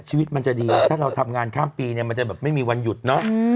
ชีวิตมันจะดีถ้าเราทำงานข้ามปีเนี่ยมันจะแบบไม่มีวันหยุดเนอะ